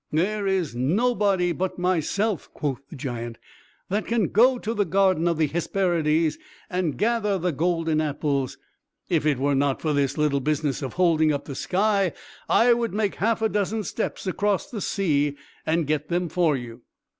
"There is nobody but myself," quoth the giant, "that can go to the garden of the Hesperides, and gather the golden apples. If it were not for this little business of holding up the sky, I would make half a dozen steps across the sea and get them for you."